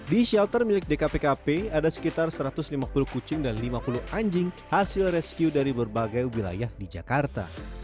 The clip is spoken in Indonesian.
di shelter milik dkpkp ada sekitar satu ratus lima puluh kucing dan lima puluh anjing hasil rescue dari berbagai wilayah di jakarta